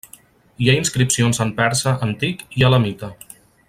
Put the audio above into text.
Hi ha inscripcions en persa antic i elamita.